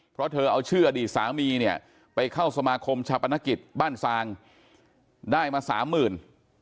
เพราะเธอเอาชื่ออดีตสามีเนี่ยไปเข้าสมาคมชาปนกิจบ้านซางได้มาสามหมื่น